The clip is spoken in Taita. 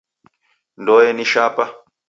Ndoe ni shapa.